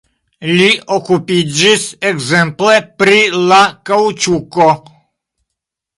Li okupiĝis ekzemple pri la kaŭĉuko.